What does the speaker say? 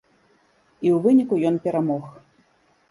І ў выніку ён перамог.